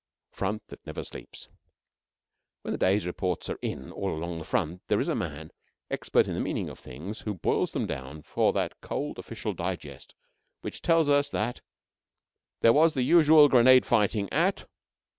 FRONT THAT NEVER SLEEPS When the day's reports are in, all along the front, there is a man, expert in the meaning of things, who boils them down for that cold official digest which tells us that "There was the usual grenade fighting at